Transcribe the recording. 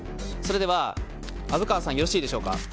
それでは、虻川さんよろしいでしょうか。